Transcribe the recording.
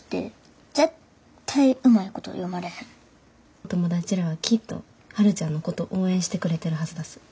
お友達らはきっと春ちゃんのこと応援してくれてるはずだす。